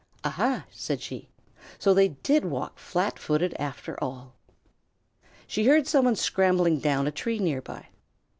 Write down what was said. "Aha!" said she. "So they did walk flat footed after all." She heard somebody scrambling down a tree near by.